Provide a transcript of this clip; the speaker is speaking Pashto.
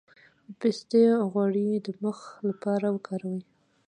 د پسته غوړي د مخ لپاره وکاروئ